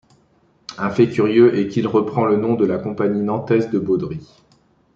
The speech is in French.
Un fait curieux est qu'il reprend le nom de la compagnie nantaise de Baudry.